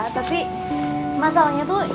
tapi masalahnya tuh